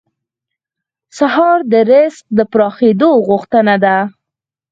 سهار د رزق د پراخېدو غوښتنه ده.